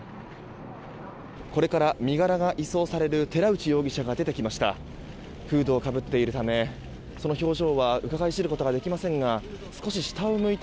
これから身柄が移送される寺内容疑者が出てきました。